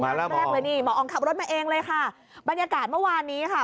รอบแรกเลยนี่หมออองขับรถมาเองเลยค่ะบรรยากาศเมื่อวานนี้ค่ะ